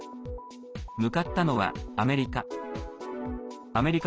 向かったのは、アメリカ。